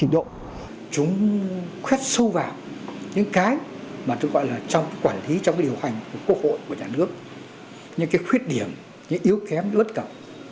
những cái khuyết điểm những cái yếu kém những cái ớt cậu